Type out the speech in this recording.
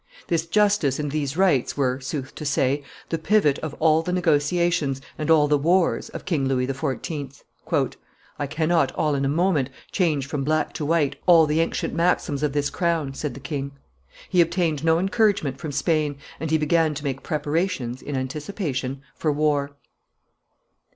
This justice and these rights were, sooth to say, the pivot of all the negotiations and all the wars of King Louis XIV. "I cannot, all in a moment, change from white to black all the ancient maxims of this crown," said the king. He obtained no encouragement from Spain, and he began to make preparations, in anticipation, for war.